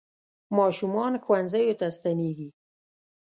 ماشومان ښوونځیو ته ستنېږي.